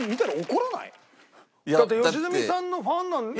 だって良純さんのファン。